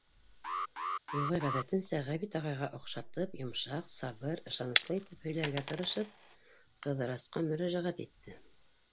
Юлай, ғәҙәтенсә, Ғәбит ағайға оҡшатып, йомшаҡ, сабыр, ышаныслы итеп һөйләргә тырышып, Ҡыҙырасҡа мөрәжәғәт итте: